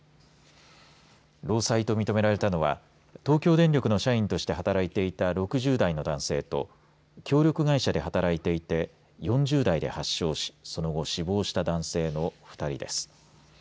労災と認められたのは東京電力の社員として働いていた６０代の男性と協力会社で働いていて４０代で発症しその後死亡した男性の２人です。